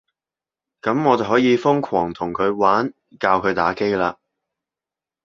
噉我就可以瘋狂同佢玩，教佢打機喇